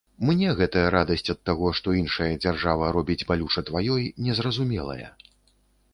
Мне гэтая радасць ад таго, што іншая дзяржава робіць балюча тваёй, не зразумелая.